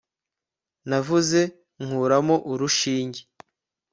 Navuze nkuramo urushinge